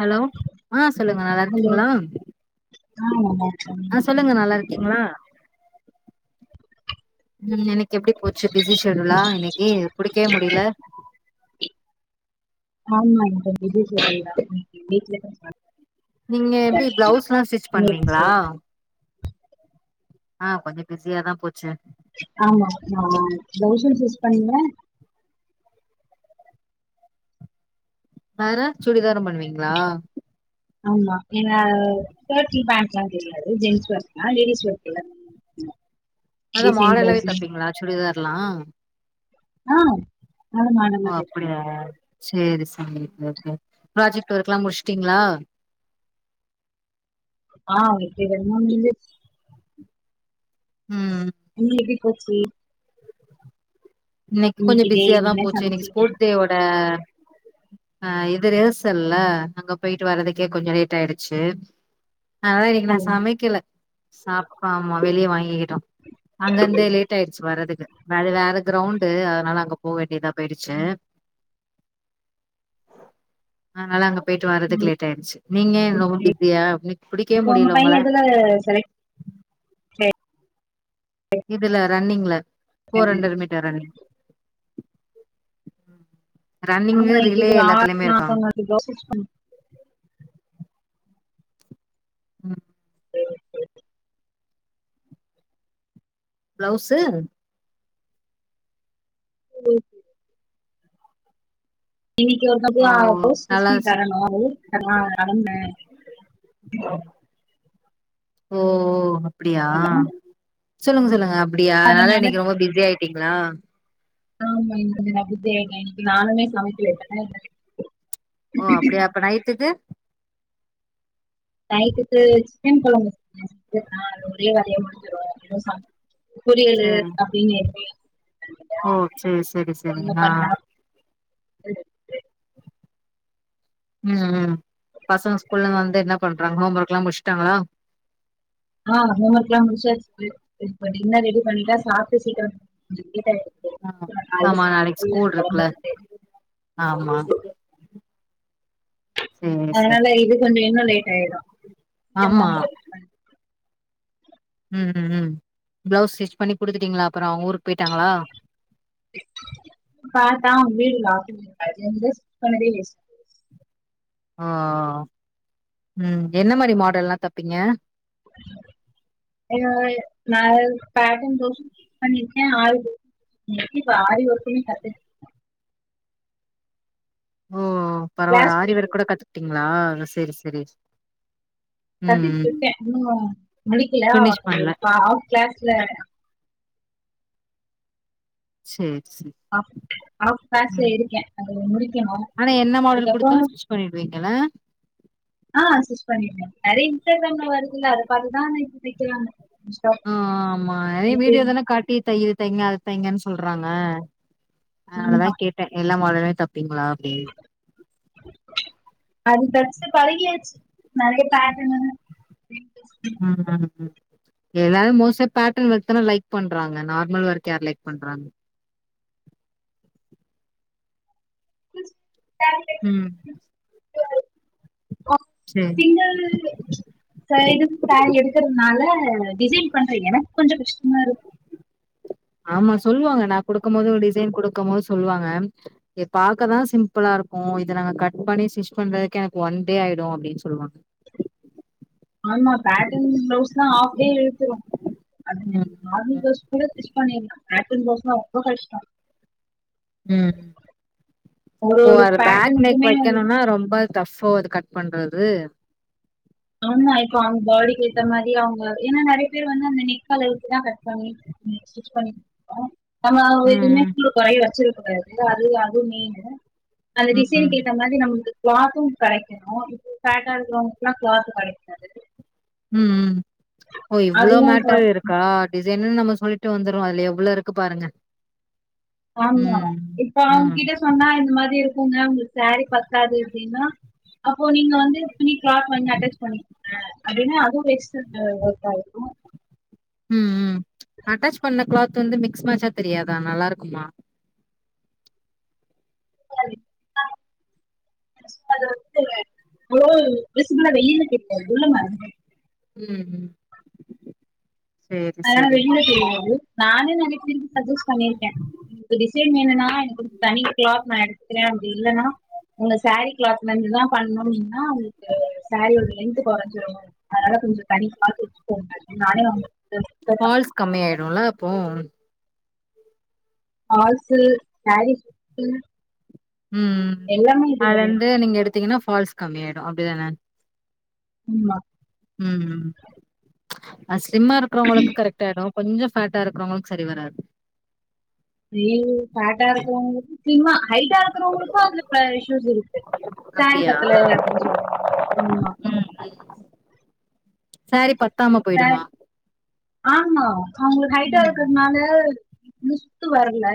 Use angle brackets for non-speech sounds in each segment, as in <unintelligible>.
Hello ஆ சொல்லுங்க நல்லா ஹலோ இருக்கீங்களா ஆ நல்லா இருக்கே ஆ சொல்லுங்க நல்லா இருக்கீங்களா ம் எனக் எப்டி போச்சு பிஸி ஷெடுலா இன்னிக்கு புடிக்கவே முடில ஆமா இந்த <unintelligible> நீங்க எப்டி பிளவுஸ் எல்லா ஸ்டிச் இன்னைக்கு பண்ணுவீங்ளா சே ஆ கொஞ்ச பிசியாதா போச்சு ஆமா ஆ பிளவும் ஸ்டிச் பண்ணுவ வேற சுடிதாரும் பண்ணுவீங்ளா ஆமா என்ன ஷேர்ட் ஜீன்ஸ் பேண்ட்ல்லா தெரியாது ஜீன்ஸ் பேண்ட்ல்லா லேடிஸ் <unintelligible> அதா டிசைன் மாடலாவே ப்ளவுஸு தப்பிங்களா சுடிதார் க்கல்லா ஆ ஆ மாடன்னா தெப்பங்க அப்டியா சேரி சேரிங்க ப்ராஜெக்ட் ஒர்க் எல்லா முடுச்சுட்டீங்ளா ஆ <unintelligible> ம் போச்சி இன்னைக்கு கொஞ்ச டே பிஸியாதா நீங்க என்ன போச்சு இன்னிக்கு சமச்சீங்க ஸ்போர்ஸ்வோட ஆ இது ரிஹர்சல்ல அங்க போயிட்டு வர்றதுக்கே கொஞ்ச லேட் ஆயிடுச்சு அதா இன்னிக்கு நா ம் சமைக்குல சாப்பா ஆமா வெளிய வாங்கிக்கிட்டோ அங்கருந்து லேட் ஆயிடுச்சு வர்றதுக்கு அது வேற கிரௌண்டு அதனால அங்க போக வேண்டியதா போயிடுச்சு அதனால அங்க போயிட்டு வர்றதுக்கு ம் லேட் ஆயிடுச்சு நீங்க ரொம்ப பிஸியா அ பிடிக்கவே இப்ப உங்க முடியல உங்கள பைய எதுல செலக்ட் இதுல ரன்னிங்ல போர் ஆயிருக்காரு ஹண்ரடு மீட்டர் ரன்னிங் ரன்னிங்கு ஆமா ரிலே இன்னிக்கு எல்லாத்துலயுமே இருக்காங்க <unintelligible> ஆ <unintelligible> ம் பண்ண ப்ளவ்சு இவ்ளோ பேரு இன்னிக்கு ஒரு நாள் ஓ ஃபுல்லா ப்ளவுஸ் ஸ்டிச் பண்ணி தரணு <unintelligible> ஓ அப்படியா சொன்னா சொல்லுங்க சொல்லுங்க அப்படியா அதனாலதா அதனால இன்னிக்கு ரொம்ப பிசி ஆயி டீங்களா ஆமா இன்ன நா புத்தியாயிட்டே இன்னிக்கு நானுமே சமைக்கல <inaudible> ஓ அப்படியா அப்ப நைட்டுக்கு நைட்டுக்கு <unintelligible> <inaudible> ஒரே வேலையா முடுஞ் இதோ இன்னு சாப் புரியுது சேரி அப்டின்னு எப்டி ஓ சேரி சேரி சேரிங்க ஒண்ணு நா பண்ணா <inaudible> ம் ம் பசங்க ஸ்கூல்ல வந்து என்ன பண்றாங்க ஹோம் ஒர்க் எல்லா முடுச்சுட்டாங்களா ஆ ஆமாங் ஹோம்வெக்ல்லா முடிச்சாச்சு இப்ப டின்னர் ரெடி பண்ணிட்டா சாப்ட்டு சீக்கிரம் லேட்டாயிரு ஆ ஆமா நாளைக்கு ஸ்கூல் இருக்குல கெளம்பறதுக்கு ஆமா சேரி சேரி அதனால இது கொஞ்ச இன்னு லேட் ஆயிடு ஆமா <unintelligible> ம் ம் ம் ப்ளவுஸ் ஸ்டிச் பண்ணி குடுத்துட்டீங்களா அப்பறோ அவங்க ஊருக்கு போயிட்டாங்களா காட்டா வீடுங்ளா <unintelligible> அ ம் என்ன மாரி மாடல்லா தப்பீங்க <unintelligible> நா பேட்டன் கொர்ஸ்சு பண்ணிருக்கே ஆறு கோர்ஸ்சு இப்ப ஆறு கோர்ஸ்சு கத்து ஓ பரவால கிளாஸ் ஆரி போயிட்டு வொர்க் கூட கத்துக்கிட்டீ ங்களா சேரி சேரி ம் ம் கத்திட்டிருக்க இன்னு முடிக்கல்லா ஃபினிஷ் பண்ல கிளாஸ்ல சேரி சேரி அ <unintelligible> ம் இருக்க அத முடிக்கணு ஆனா என்ன மாடல் அதுக்கப்பறோ குடுத்தாலு ஸ்டிச் பண்ணிடுவீங்கல்ல ஆ ஸ்டிச் பண்ணிருக்க நறைய இன்ஸ்டாகிராம்ல வருதுல்ல அத பாத்துதா தெக்கிறாங்க ஆ ஆமா வீடியோதான காட்டி தய்யி தைங்க தெய்ங்கன் சொல்றாங்க அவ்ளதா ஆமா கேட்ட எல்லாம் மொதலே தெப் அது தெச்சு பழகியாச்சு நறைய பேட்டனு ம்க்ம் ஏதாவது மோஸ்ட்டா பேட்டன் ஒர்க்குனா லைக் பண்றாங்க நார்மல் ஒர்க் யார் லைக் பண்றாங்க எஸ் ம் பே சேரி சிங்குள் சைடு ஸ்சேரி எடுக்குறதுனால டிசைன் பண்ற எனக் கொஞ்சோ கஷ்டமா இருக் ஆமா சொல்வாங்க நா குடுக்கும் போது டிசைன் குடுக்கும் போது சொல்வாங்க இது பாக்கதா சிம்ப்ளா இருக்கு இத நாங்க கட் பண்ணி ஸ்டிச் பண்றதுக்கு எனக்கு ஒன் டே ஆயிடு அப்டின் சொல்லுவாங்க ஆமா பேட்டன் ப்ளவுஸ்ன்னா ஆஃப் டே இழுத்துரு அதுல்ல ம் நீங்க நார்மல் ப்ளவுஸ் கூட ஸ்டிச் பண்ணிரலாங்க சந்தோசமா உங்க இஷ்டோ ம் ஓ ஒரு அர பேக் நெக் பேட்டர்னுக்குமே வந்து வெக்கணுன்னா ரொம்ப கஃபோ இது கட் பண்றது ஆமா இப்போ அந் பாடிக் ஏத்த மாரி அவுங்க ஏனா நறைய பேர் வந்து அந்த நெக் அளவுக்கு தா கட் பண்ணி ஸ்டிச் பண்ணி குடுத்தோ ஆமா எதுமே ம் <unintelligible> து அது அது மீனு அந்த ம் ம் ம் டிசைன்க்கு எத்த மாரி நம்முள்து கிளாத்து கடைக்கணு இப்ப ஃபேட்டா இருக்கவங்களுக்கெல்லா க்ளாத்து கடைக்காது உம் ம் ஓ இவ்ளோ ப மேட்டர் இருக்கா டிஸ் இது என்னன் நம்ம சொல்லிட்டு வந்துருவோ அதுல எவ்ள இருக்கு பாருங்க ஆமா ம் இப்ப ம் அவுங்கிட்ட சொன்னா இந்த மாரி இருக்குங்க உங்ளுக்கு சாரி பத்தாது அப்டின்னா அப்போ நீங்க வந்து ப்லி க்லாத் வாங்கி அட்டாச் பண்ணிக்குங்க அப்டின்னா அதுவு வேட்டட் ஒர்க் ஆய்ரு ம் உம் அட்டாச் பண்ண க்ளாத் து வந்து மிக்ஸ் மேச்சா தெரியாதா நல்லா இருக்குமா <unintelligible> விசிபேளா வெளில தெரியாது உள்ள மறஞ்ருமே உம் ம் சேரி அதனால சேரி வெளில தெரியாது நானே நறையா பேருக்கு சஜஸ்ட் பண்ணிருக்கே உங்ளுக்கு டிசைன் வேணுனா எனக்கு ஒரு தனி க்ளாத் நா எடுத்க்றேன் அப்டி இல்லன்னா உங்க சேரி கிளாத்ல இருந்துதா பண்ணும் அப்டினா உங்ளுக்கு சேரியோட லென்த்து கொறஞ்சிரும் அதனால கொஞ்சோ தனி க்ளாத் வச்சுக்கோங்க அப்டின் நானே அவுங்கள் ஃபால்ஸ் கம்மி ஆயிடுள அப்போ ஃபால்சு சேரி சுத்து உம் ம் ம் அது வந்து நீங்க எடுத்தீங்கன்னா ஃபால்ஸ் கம்மி ஆயிடும் அப்டிதான ஸ்லிம்மா உம் அஸ் ஸ்லிம்மா இருக்கறவங்களுக்கு கரெக்டாயிடு கொஞ்சோ ஃபேட்டா இருக்றவங்களுக்கு சரி வராது ரியலி ஃபேட்டா இருக்றவங்களுக்கு ஸ்லிம்மா ஹைட்டா இருக்கறவங்களுக்கு அதுல பா இஷ்யூஸ் இருக்கு சேரி அப்டியா பத்தல அப்டின் சொல் ஆமா சேரி பத் சேரி ஆமா அவுங்ளு ஹைடா ம் இருக்கத்னால <unintelligible> ட்டு வர்ல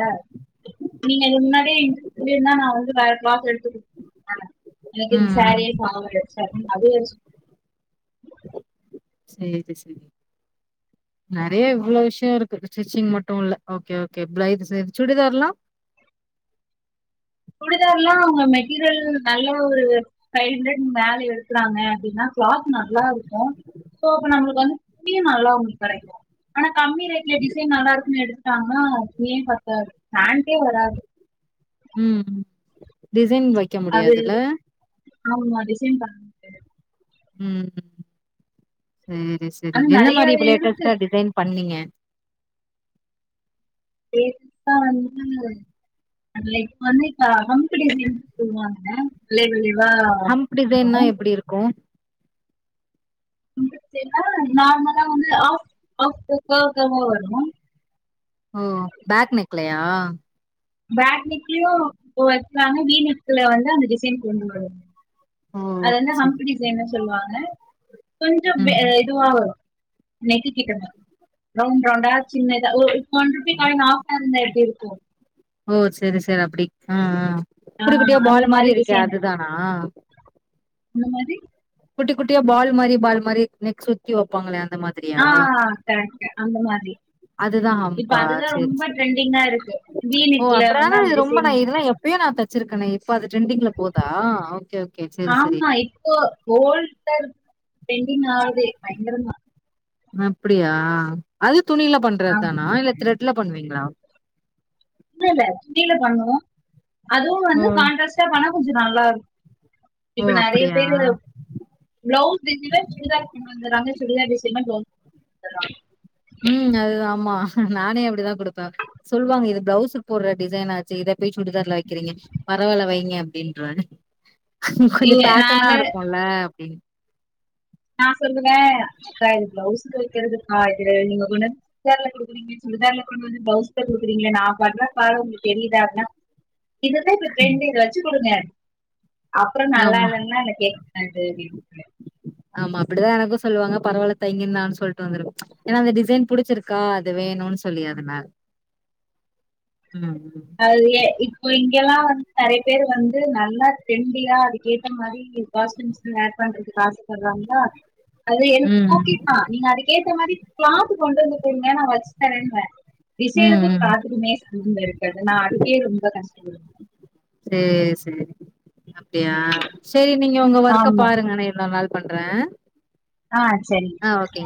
நீங்கது முன்னாடியே சொல்லி இருந்தா நா வந்து வேற கிளாத் எடுத்து கொடுத்துருப்பே எனக்கு இந் ம் ம் சாரியே ஆவல அது செரி செரி நெறைய இவ்ளவு விஷயோ இருக்கு ஸ்டிச்சிங் மட்டு இல்ல ஓகே ஓகே ப்ரைட் சரி சுடிதாரலா சுடிதார்லா அவங்க மெட்டீரியல் நல்லா ஒரு ஃபைவ் ஹண்ட்ரட் மேல எடுக்கறாங்க அப்டின்னா க்ளாத் நல்லா இருக்கு சோ அப்ப நம்மளுக்கு வந்து இங்கியு நல்லா உங்களுக் கிடைக்கு ஆனா கம்மி ரே இடிசை நல்லா இருக்கு எடுத் ஆமா துணியே பத்தாது பேண்ட்டே வராது ம் டிசைன் வைக்க அது முடியாதுல ஆமா டிசைன் பண்ண முடியாது ம் செரி செரி ஆனா என்ன நிறைய மாரி இப்ப இருக்கு லேட்டஸ்ட்டா டிசைன் பண்ணீங்க லேடஸ்டா வந்து லை வந்து <unintelligible> சொல்லுவாங்கங்க லே ஹம்ப் டிசைன்னா எப்டி இருக்கு நார்மலா வந்து ஆ <unintelligible> வருமா ஓ பேக் நெக்லையா பேட் நெக்லயு வக்லாங்க வீணக்குல வந்து அந்த டிசைன் கொண்டு வரு ஓ அதென்ன செரி ஹம்ப் டிசைன்னு சொல்லுவாங்க கொஞ்சோ ம் இதுவா வரு நெக்கு கிட்டங்க ரவுண்ட் ரவுண்டா சின்னதா ஒ ஒன்ருபி காய்ன் ஆஃபா ருந்தா எப்டி இருக்கு ஓ செரி செரி அப்டி ஆ ஆ குட்டி ஆஹ் குட்டியா அந்த பால் மாரி இருக்கே அதுதானா இந்த மாதி குட்டி குட்டியா பால் மாரி பால் மாரி நெக் சுத்தி வைப்பாங்களே ஆ கரெக்ட் அந்த மாதிரி அதுதா இப்ப ஹம்பா அதுதா சேரி ரொம்ப சேரி ட்ரெண்டிங்கா இருக்கு ஓ வீனெக்ல வந்து அந்த டிசைன் வச்சிருக்கனே இப்ப அது டரெண்டிங்ல போதா ஓகே ஓகே செரி செரி போல் டர்க் ட்ரண்டிங் ஆவுது பயங்கரதா அப்டியா அது துணியில பண்றது ஆமா தானா இல்ல த்ரெட் ல பண்வீங்ளா இல்ல இல்ல துணில பண்ணுவோ அதுவு ஓ வந்து கான்ட்ரஸ்ட்டா பண்ணா கொஞ்சோ நல்லா இருக்கு இப்ப ஓ நெறைய அப்டியா பேரு ப்ளவுஸ் <unintelligible> சுடிதாரு கொண்டுவந்தர்ராங்க சுடிதார் டிசைன்மரி ப்ளவுஸ் <inaudible> ந்தர்ராங் ம் அதுதா ஆமா நானே அப்படிதா குடுப்ப சொல்வாங்க இது ப்ளவுஸ் போடுற டிசைனாச்சே இத போய் சுடிதார்ல வைக்கிறீங்க பரவால வைங்க அப்படின்றுவ கொஞ்ச இங்க நான் பேட்டனா இருக்கும்ல அப்டின்னு நா சொல்லுவ அக்கா இது ப்ளவுஸுக்கு வைக்கிறதுக்கா இது நீங்க கொண்டு வந்து சுதார்ல குடுக்குறீங்கனு சுடிதார்ல கொண்டு வந்து ப்ளவுஸ்ல குடுக்குறீங்களே நா ஃபர்பெக்ட்டு ஆளுனு உங்களுக்கு தெரியுதா அப்புன்னா இதுதா இப்ப ட்ரெண்டிங்கு வச்சு குடுங்க அப்பறோ நல்லா ஆமா, இல்லன்னா என கேக் கூடாது அப்டின் சொன்ன ஆமா அப்படிதா எனக்கு சொல்வாங்க பரவால்ல தைங்க நானு சொல்ட்டு வந்துருவ ம்ச் ஏன்னா அந்த டிசைன் புடுச்சுருக்கா அது வேணுன் சொல்லி அதனால ம், அது எ இப் சோ இங்கெல்லா வந்து நறைய பேர் வந்து நல்லா ட்ரெண்டிங்கா அதுக்கு ஏத்த மாரி காஸ்ட்டியூம்ஸ் ஏர் பண்றதுக்கு ஆசப்படுறாங்களா அது எனக்கு ம். ஓகேதா நீங்க அதுக்கேத்த மாரி கிளாத்து கொண்டு வந்து குடுங்க நா வச்சு தரங்வ ம், டிசைனுக்கு ம். கிளாத்துக்குமே சம்பந்தம் இருக் நா அதுக்கே ரொம்ப கஷ் கஷ்டப்படுவ சேர் சேரி அப்படியா சேரி நீங்க உங்க ஒர்க்க ஆமா பாருங்க நா இன்னோர் நாள் பண்ற ஆ செரி அஆ